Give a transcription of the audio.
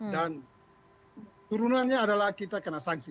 dan turunannya adalah kita kena sanksi